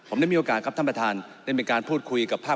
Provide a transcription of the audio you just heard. ไทยได้ผมมีโอกาสกับท่านประธานได้เป็นการพูดคุยกับภาพ